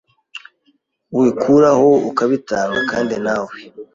wikuraho ukabitanga kandi nawe